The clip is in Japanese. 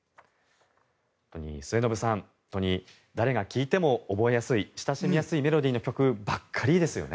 末延さん、誰が聴いても覚えやすい親しみやすいメロディーの曲ばっかりですよね。